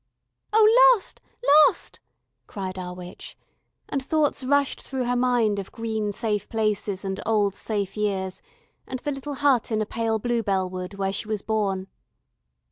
"Oh, lost, lost, ..." cried our witch, and thoughts rushed through her mind of green safe places, and old safe years, and the little hut in a pale bluebell wood, where she was born.